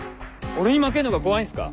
俺に負けんのが怖いんすか？